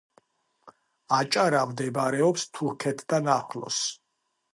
აჭარა მდებარეობს თურქეთთან ახლოს